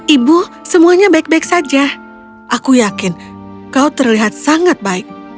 ibu semuanya baik baik saja aku yakin kau terlihat sangat baik